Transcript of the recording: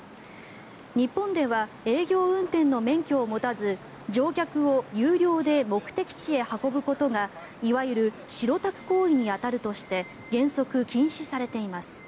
日本では営業運転の免許を持たず乗客を有料で目的地へ運ぶことがいわゆる白タク行為に当たるとして原則禁止されています。